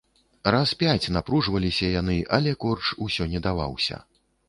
Раз пяць напружваліся яны, але корч усё не даваўся.